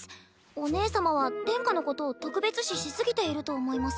お姉様は殿下のことを特別視し過ぎていると思います。